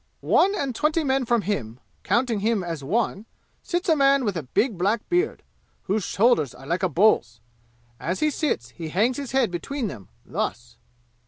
"One and twenty men from him, counting him as one, sits a man with a big black beard, whose shoulders are like a bull's. As he sits he hangs his head between them thus."